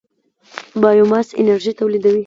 بایوماس انرژي تولیدوي.